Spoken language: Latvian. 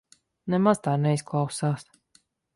Nemaz tā neizklausās.